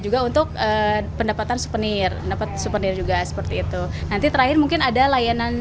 juga untuk pendapatan suvenir dapat suvenir juga seperti itu nanti terakhir mungkin ada layanan